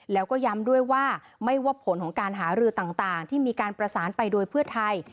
แล้วก็ย้ำด้วยว่าไม่ว่าผลของการหารือต่างที่มีการประสานไปโดยเพื่อไทย